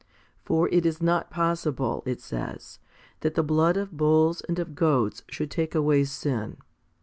For it is not possible, it says, that the blood of bulls and of goats should take away sin.